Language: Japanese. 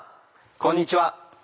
こんにちは。